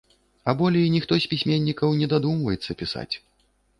А болей ніхто з пісьменнікаў не дадумваецца пісаць.